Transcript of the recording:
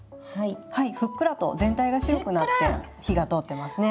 ふっくらと全体が白くなって火が通ってますね。